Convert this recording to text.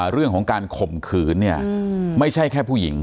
เรื่องของการข่มขืนเนี่ยไม่ใช่แค่ผู้หญิง